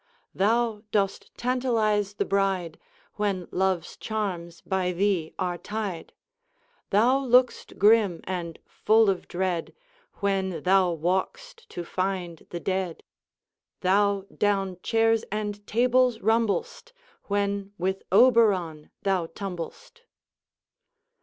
Thou dost tantalize the bride, When love's charms by tiiee are tied. Thou look'st grim and full of dread, When thou walk'st to find the dead. Thou down chairs and tables rumbl'st, When with Oberon tiiou tumbl'st.